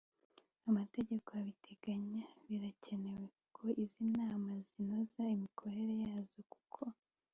amategeko abiteganya Birakenewe ko izi nama zinoza imikorere yazo kuko